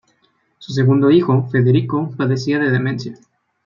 Su segundo hijo, Federico, padecía de demencia.